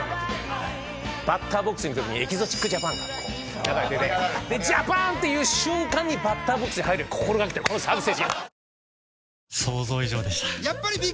バッターボックスに行く時に『エキゾチック・ジャパン』が流れてて「ジャパン」って言う瞬間にバッターボックスに入る心がけというこのサービス精神。